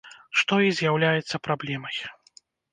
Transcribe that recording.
Што і з'яўляецца праблемай.